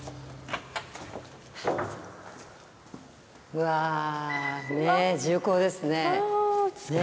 うわ重厚ですね。